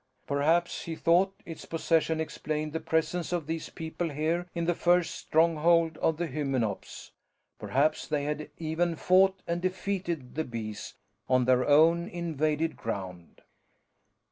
Perhaps, he thought, its possession explained the presence of these people here in the first stronghold of the Hymenops; perhaps they had even fought and defeated the Bees on their own invaded ground.